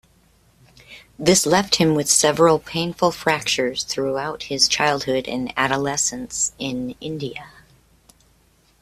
This left him with several painful fractures throughout his childhood and adolescence in India.